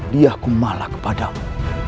diahku malah kepadamu